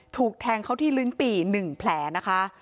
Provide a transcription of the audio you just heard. ถูกแทงเขาที่ลิ้นปี่๑แผลนะคะ